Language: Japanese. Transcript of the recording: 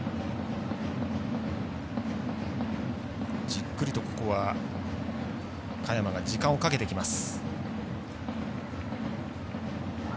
じっくりと、ここは嘉弥真が時間をかけてきます。